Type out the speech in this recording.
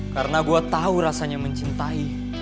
karena gue tau rasanya mencintai